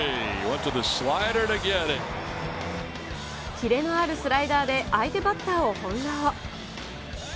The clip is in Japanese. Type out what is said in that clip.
キレのあるスライダーで相手バッターを翻弄。